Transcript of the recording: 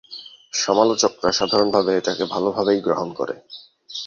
সমালোচকরা সাধারণভাবে এটাকে ভালভাবেই গ্রহণ করে।